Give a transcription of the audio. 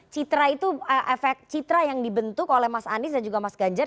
citra itu efek citra yang dibentuk oleh mas anies dan juga mas ganjar